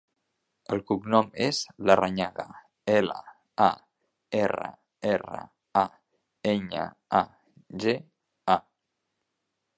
El cognom és Larrañaga: ela, a, erra, erra, a, enya, a, ge, a.